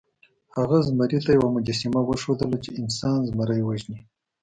هغه زمري ته یوه مجسمه وښودله چې انسان زمری وژني.